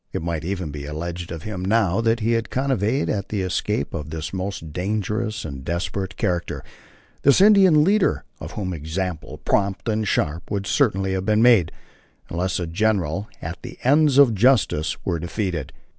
It might even be alleged of him now that he had connived at the escape of this most dangerous and desperate character, this Indian leader, of whom example, prompt and sharp, would certainly have been made, unless the general and the ends of justice were defeated.